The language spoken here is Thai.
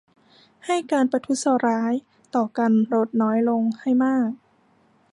ให้การประทุษฐร้ายต่อกันลดน้อยลงให้มาก